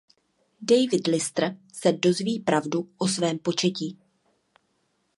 David Lister se dozví pravdu o svém početí.